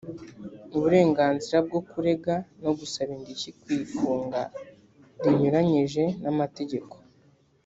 uburenganzira bwo kurega no gusaba indishyi ku ifunga rinyuranyije n’amategeko